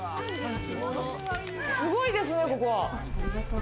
すごいですね、ここ。